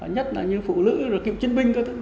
nhất là những phụ nữ kiệp chiến binh